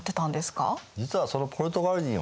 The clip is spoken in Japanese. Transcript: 実はそのポルトガル人はね